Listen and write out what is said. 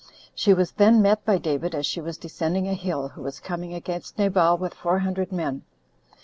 She was then met by David as she was descending a hill, who was coming against Nabal with four hundred men.